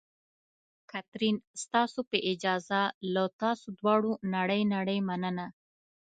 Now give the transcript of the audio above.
کاترین: ستاسو په اجازه، له تاسو دواړو نړۍ نړۍ مننه.